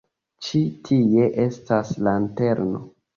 Ĉi tie estas lanterno.